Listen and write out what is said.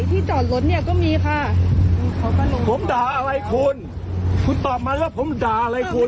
ที่จอดรถเนี่ยก็มีค่ะผมด่าอะไรคุณคุณตอบมาแล้วผมด่าอะไรคุณ